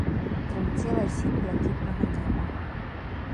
Трымцела сінь блакітнага неба.